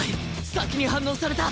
先に反応された！